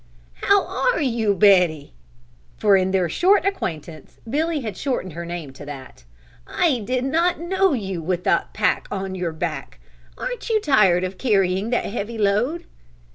"How are you, Betty?" For in their short acquaintance Billy had shortened her name to that. "I did not know you with that pack on your back. Aren't you tired carrying that heavy load?"